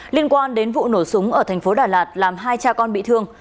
liên quan đến vụ nổ súng ở thành phố đà lạt làm hai cha con bị thương